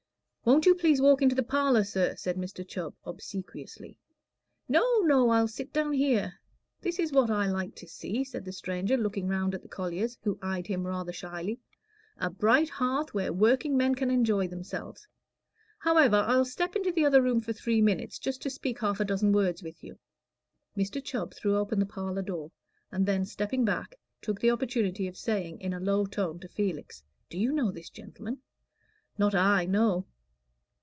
"Won't you please to walk into the parlor, sir," said Mr. Chubb, obsequiously. "No, no, I'll sit down here. This is what I like to see," said the stranger, looking round at the colliers, who eyed him rather shyly "a bright hearth where workingmen can enjoy themselves. However, I'll step into the other room for three minutes, just to speak half a dozen words with you." Mr. Chubb threw open the parlor door, and then stepping back, took the opportunity of saying, in a low tone, to Felix, "Do you know this gentleman?" "Not I; no."